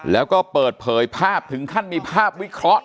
แล้วก็เปิดเผยภาพถึงขั้นมีภาพวิเคราะห์